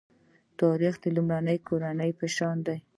تاریخ د یوې کورنۍ په شان دی.